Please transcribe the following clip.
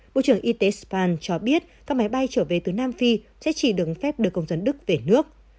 bộ trưởng y tế span cho biết các máy bay trở về từ nam phi sẽ chỉ được phép đưa công dân đức về nước